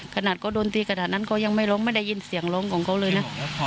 ขนาดเขาโดนตีขนาดนั้นเขายังไม่ร้องไม่ได้ยินเสียงร้องของเขาเลยนะ